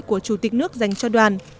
của chủ tịch nước dành cho đoàn